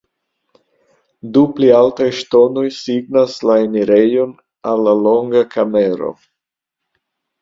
Du pli altaj ŝtonoj signas la enirejon al la longa kamero.